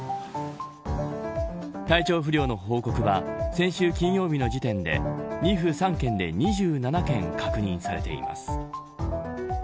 体調不良の報告は先週金曜日の時点で２府３県で２７件確認されています。